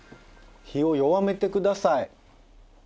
火を弱めてください。